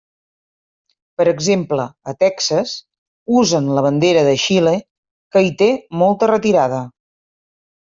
Per exemple, a Texas usen la bandera de Xile, que hi té molta retirada.